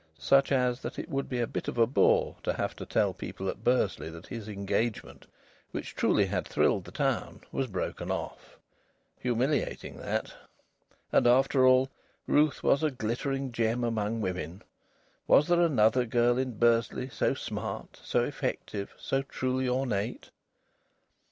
Such as that it would be a bit of a bore to have to tell people at Bursley that his engagement, which truly had thrilled the town, was broken off. Humiliating, that! And, after all, Ruth was a glittering gem among women. Was there another girl in Bursley so smart, so effective, so truly ornate?